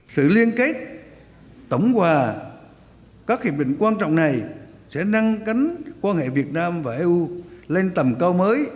sự liên kết tổng hòa các hiệp định quan trọng này sẽ năng cắn quan hệ việt nam và eu lên tầm cao mới